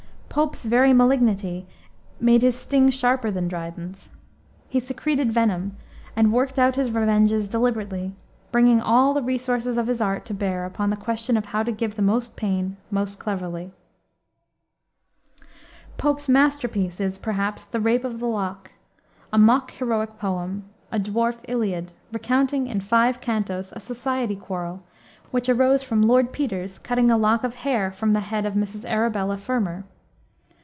Pope's very malignity made his sting sharper than Dryden's. He secreted venom, and worked out his revenges deliberately, bringing all the resources of his art to bear upon the question of how to give the most pain most cleverly. Pope's masterpiece is, perhaps, the Rape of the Lock, a mock heroic poem, a "dwarf Iliad," recounting, in five cantos, a society quarrel, which arose from Lord Petre's cutting a lock of hair from the head of Mrs. Arabella Fermor.